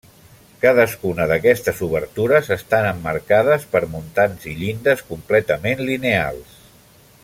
Cadascuna d'aquestes obertures estan emmarcades per muntants i llindes completament lineals.